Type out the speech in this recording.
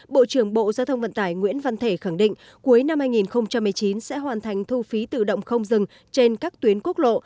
bộ trưởng bộ giao thông vận tải nguyễn văn thể khẳng định cuối năm hai nghìn một mươi chín sẽ hoàn thành thu phí tự động không dừng trên các tuyến quốc lộ